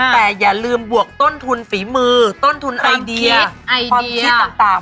แต่อย่าลืมบวกต้นทุนฝีมือต้นทุนไอเดียความคิดต่าง